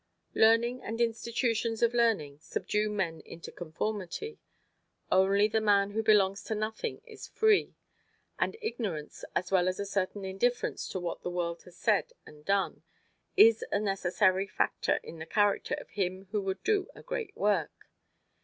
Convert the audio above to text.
Learning and institutions of learning subdue men into conformity; only the man who belongs to nothing is free; and ignorance, as well as a certain indifference to what the world has said and done, is a necessary factor in the character of him who would do a great work.